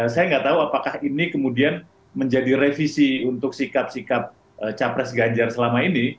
saya nggak tahu apakah ini kemudian menjadi revisi untuk sikap sikap capres ganjar selama ini